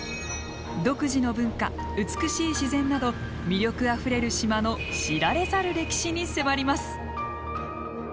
独自の文化美しい自然など魅力あふれる島の知られざる歴史に迫ります。